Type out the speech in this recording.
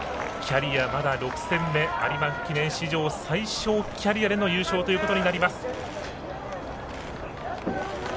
キャリアまだ６戦目有馬記念史上最少優勝ということになります。